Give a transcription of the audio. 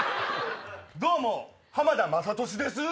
どうも浜田雅功ですぅ。